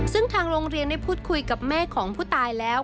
ซึ่งทางโรงเรียนได้พูดคุยกับแม่ของผู้ตายแล้ว